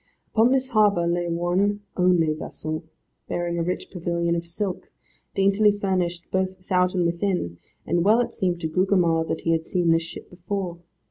Upon this harbour lay one only vessel, bearing a rich pavilion of silk, daintily furnished both without and within, and well it seemed to Gugemar that he had seen this ship before.